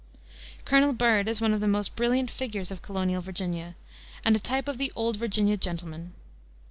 Colonel Byrd is one of the most brilliant figures of colonial Virginia, and a type of the Old Virginia gentleman.